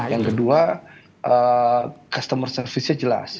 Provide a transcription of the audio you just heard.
yang kedua customer service nya jelas